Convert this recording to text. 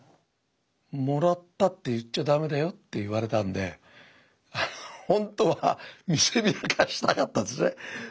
「もらったって言っちゃダメだよ」って言われたんでほんとは見せびらかしたかったですね。